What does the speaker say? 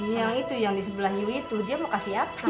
yang itu yang di sebelah hiu itu dia mau kasih apa